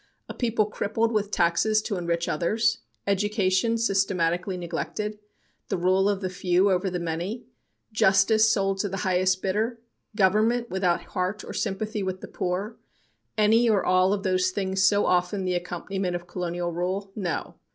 A people crippled with taxes to enrich others? Education systematically neglected? The rule of the few over the many? Justice sold to the highest bidder? Government without heart or sympathy with the poor? Any or all of these things so often the accompaniment of colonial rule? No.